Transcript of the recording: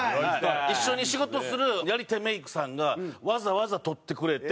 一緒に仕事するやり手メイクさんがわざわざ取ってくれて。